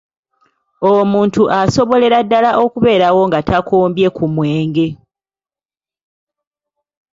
Omuntu asobolera ddala okubeerawo nga takombye ku mwenge.